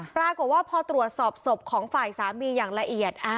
ปรากฏว่าพอตรวจสอบศพของฝ่ายสามีอย่างละเอียด